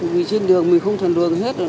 vì trên đường mình không thần đường hết rồi